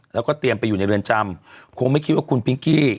แล้วก็เตรียมไปอยู่ในเรือนจำคงไม่คิดว่าคุณพิงกี้